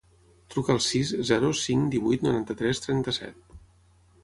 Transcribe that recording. Truca al sis, zero, cinc, divuit, noranta-tres, trenta-set.